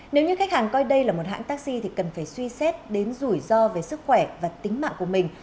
nếu như khách hàng coi đây là một hãng taxi thì cần phải suy xét đến rủi ro về sức khỏe và tính mạng của mình